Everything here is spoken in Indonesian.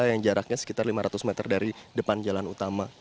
yang jaraknya sekitar lima ratus meter dari depan jalan utama